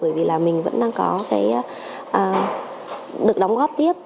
bởi vì là mình vẫn đang có cái được đóng góp tiếp